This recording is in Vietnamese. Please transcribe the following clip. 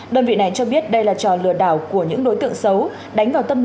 đơn vị này cho biết đây là trò lừa đảo của những đối tượng xấu